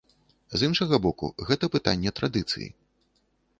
З іншага боку, гэта пытанне традыцыі.